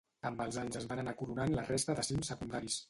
Amb els anys es van anar coronant la resta de cims secundaris.